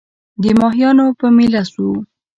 د ماهیانو په مېله سوو